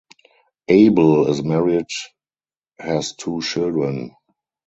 Abel is married has two children.